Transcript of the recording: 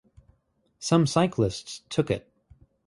Some cyclists took it.